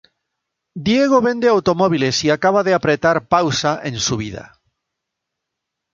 Diego vende automóviles y acaba de "apretar" pausa en su vida.